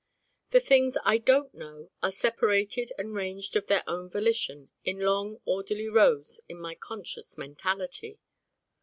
The things I Don't Know are separated and ranged of their own volition in long orderly rows in my conscious mentality.